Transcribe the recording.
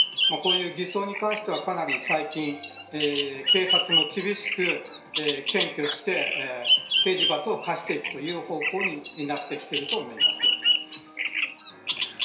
こういう偽装に関してはかなり最近警察も厳しく検挙して刑事罰を科していく方向になってきていると思います。